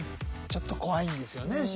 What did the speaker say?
ちょっと怖いんですよね